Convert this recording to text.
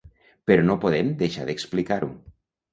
Però no podem deixar d'explicar-ho!